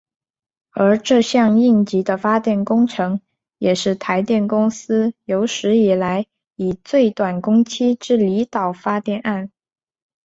而这项应急的发电工程也是台电公司有史以来最短工期之离岛发电案。